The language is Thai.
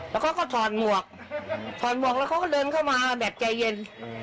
แล้วเขาก็ถอดหมวกถอดหมวกแล้วเขาก็เดินเข้ามาแบบใจเย็น